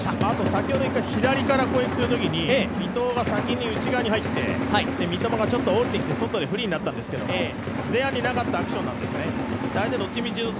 先ほど左から攻撃するときに伊藤が先に内側に入って三笘が下りてきてフリーになったんですけど前半にはなかったアクションだったんですね。